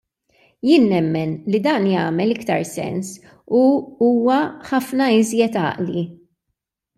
Jien nemmen li dan jagħmel iktar sens u huwa ħafna iżjed għaqli.